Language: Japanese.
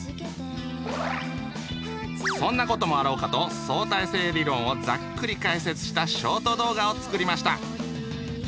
そんなこともあろうかと相対性理論をざっくり解説したショート動画を作りました。